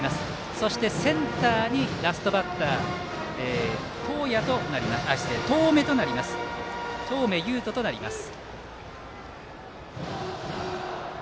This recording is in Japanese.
そして、センターにラストバッター當銘雄人となります。